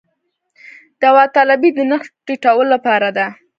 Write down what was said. داوطلبي د نرخ ټیټولو لپاره ده